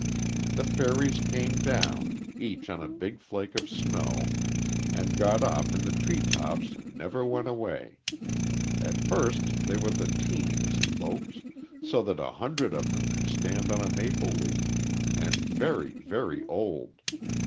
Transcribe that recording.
The fairies came down, each on a big flake of snow, and got off in the tree tops and never went away. At first they were the teentiest folks so little that a hundred of them could stand on a maple leaf and very, very old.